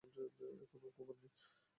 এখনো ঘুমান নি?